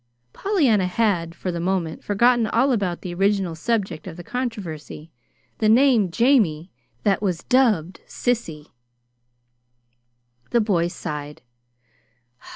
Pollyanna had, for the moment, forgotten all about the original subject of the controversy the name "Jamie" that was dubbed "sissy." The boy sighed.